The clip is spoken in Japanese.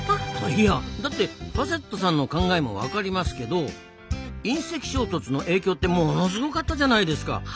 いやだってファセットさんの考えも分かりますけど隕石衝突の影響ってものすごかったじゃないですか。